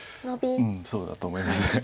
そうだと思います。